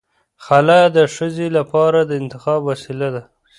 خلع د ښځې لپاره د انتخاب وسیله ده.